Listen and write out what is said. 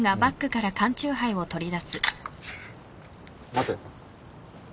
待て。